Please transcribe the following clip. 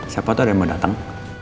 siapa tuh yang mau dateng